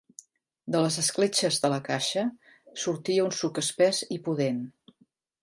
De les escletxes de la caixa sortia un suc espès i pudent.